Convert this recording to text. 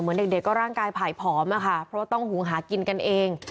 เหมือนเด็กก็ร่างกายผ่ายผอมอะค่ะเพราะว่าต้องหุงหากินกันเอง